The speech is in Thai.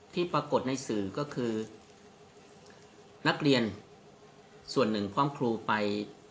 ที่ปรากฏในสื่อก็คือนักเรียนส่วนหนึ่งพร้อมครูไป